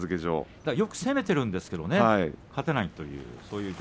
攻めているんですけども勝てないと。